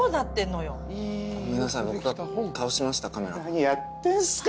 何やってんすか！